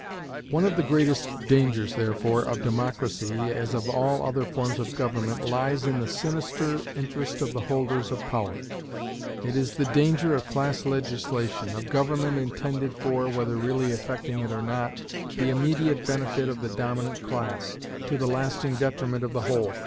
One of the greatest dangers, therefore, of democracy, as of all other forms of government, lies in the sinister interest of the holders of power: it is the danger of class legislation, of government intended for (whether really effecting it or not) the immediate benefit of the dominant class, to the lasting detriment of the whole.